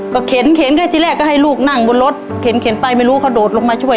ก็เค้นเค้นในที่แรกก็ให้ลูกนั่งบนรถเค้นเค้นไปไม่รู้เขาโดดลงมาช่วย